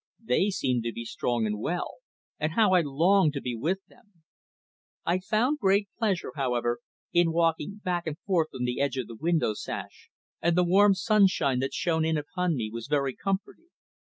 They seemed to be strong and well; and how I longed to be with them! I found great pleasure, however, in walking back and forth on the edge of the window sash, and the warm sunshine that shone in upon me was very comforting.